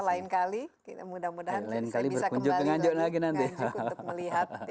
lain kali mudah mudahan saya bisa kembali nganjuk untuk melihat